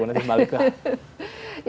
saya mau pergi